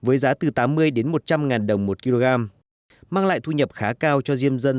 với giá từ tám mươi đến một trăm linh ngàn đồng một kg mang lại thu nhập khá cao cho diêm dân